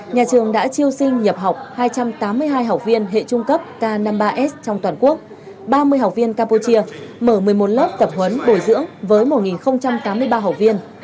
nhà trường đã triêu sinh nhập học hai trăm tám mươi hai học viên hệ trung cấp k năm mươi ba s trong toàn quốc ba mươi học viên campuchia mở một mươi một lớp tập huấn bồi dưỡng với một tám mươi ba học viên